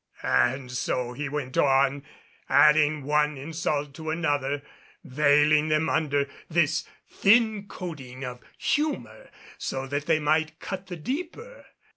And so he went on adding one insult to another, veiling them under this thin coating of humor, so that they might cut the deeper.